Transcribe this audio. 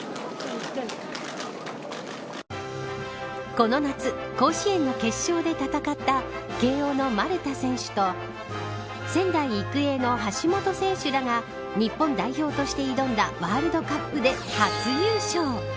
この夏、甲子園の決勝で戦った慶応の丸田選手と仙台育英の橋本選手らが日本代表として挑んだワールドカップで初優勝。